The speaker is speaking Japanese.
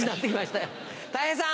たい平さん。